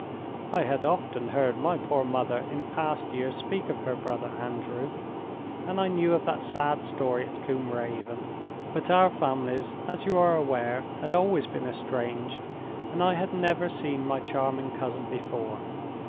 I had often heard my poor mother in past years speak of her brother Andrew, and I knew of that sad story at Combe Raven. But our families, as you are aware, had always been estranged, and I had never seen my charming cousin before.